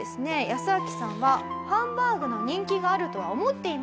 ヤスアキさんはハンバーグの人気があるとは思っていません。